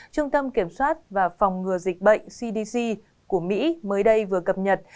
trung tâm kiểm soát và phòng ngừa dịch bệnh cdc của mỹ mới đây vừa cập nhật